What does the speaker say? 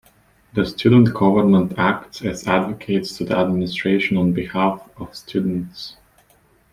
The student government acts as advocates to the administration on behalf of students.